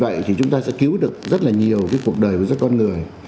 vì vậy thì chúng ta sẽ cứu được rất là nhiều cái cuộc đời của các con người